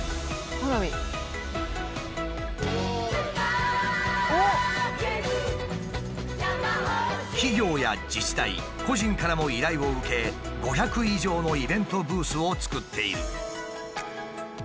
「ペッパー警部」企業や自治体個人からも依頼を受け５００以上のイベントブースを作っている。